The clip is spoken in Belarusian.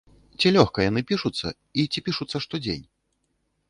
Ці лёгка яны пішуцца, і ці пішуцца штодзень?